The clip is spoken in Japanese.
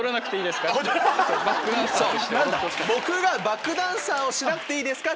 バックダンサーをしなくていいですか？